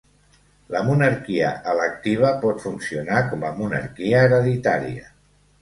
La monarquia electiva pot funcionar com a monarquia hereditària.